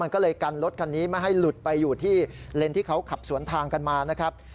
ก็เลยกันรถคันนี้ไม่ให้หลุดไปอยู่ที่เลนที่เขาขับสวนทางกันมานะครับ